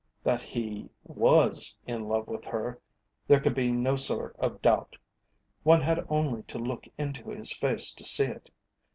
That he was in love with her there could be no sort of doubt. One had only to look into his face to see it.